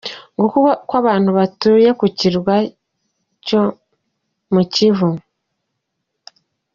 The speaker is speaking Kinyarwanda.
Ng’uko uko abantu batuye ku kirwa cyo mu Kivu.